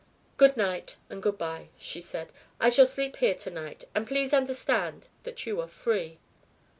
"Good night and good bye," she said. "I shall sleep here to night. And please understand that you are free."